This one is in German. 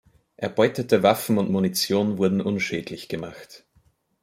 Erbeutete Waffen und Munition wurden unschädlich gemacht.